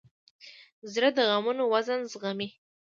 زړه د غمونو وزن زغمي.